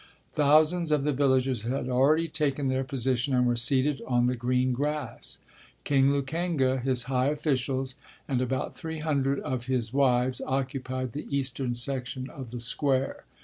Thousands of the villagers had already taken their position and were seated on the green grass. King Lukenga, his high officials and about 300 of his wives occupied the eastern section of the square.